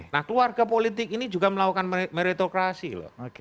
nah keluarga politik ini juga melakukan meritokrasi loh